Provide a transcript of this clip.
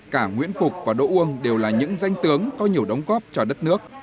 cả nguyễn phục và độ uông đều là những danh tướng có nhiều đóng góp cho đất nước